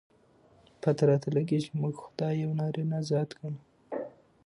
پته راته لګي، چې موږ خداى يو نارينه ذات ګڼو.